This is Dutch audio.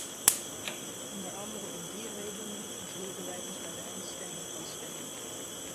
Onder andere om die redenen onthielden wij ons bij de eindstemming van stemming.